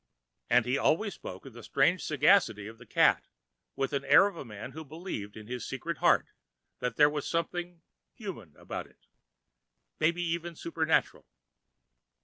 And he always spoke of the strange sagacity of that cat with the air of a man who believed in his secret heart that there was something human about it—maybe even supernatural.